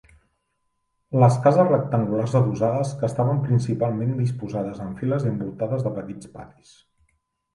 Les cases rectangulars adossades que estaven principalment disposades en files i envoltades de petits patis.